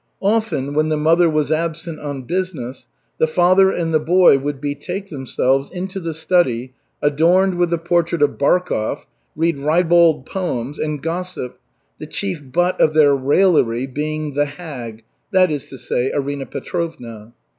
Often when the mother was absent on business, the father and the boy would betake themselves into the study adorned with the portrait of Barkov, read ribald poems, and gossip, the chief butt of their raillery being the "hag," that is to say, Arina Petrovna.